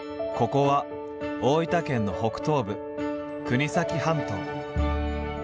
ここは大分県の北東部国東半島。